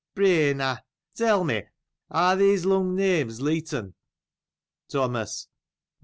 — Pr'y you, now, tell me how these long names happen. Thomas.